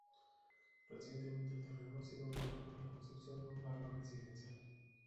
Recientemente el terreno ha sido vendido para la construcción de un barrio residencial.